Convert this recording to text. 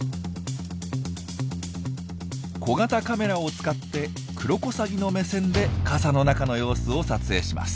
小型カメラを使ってクロコサギの目線で傘の中の様子を撮影します。